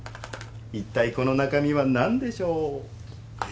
この中身は何でしょう？